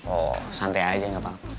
oh santai aja gak paham